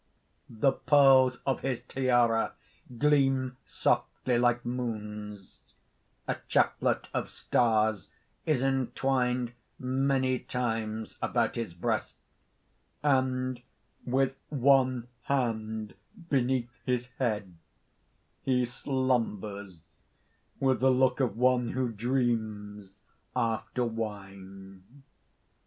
The pearls of his tiara gleam softly like moons; a chaplet of stars is entwined many times about his breast, and with one hand beneath his head, he slumbers with the look of one who dreams after wine.